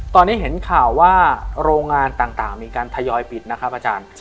ตอนนี้เห็นข่าวว่าโรงงานต่างมีการทยอยปิดนะครับอาจารย์